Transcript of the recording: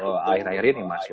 di akhir akhir ini mas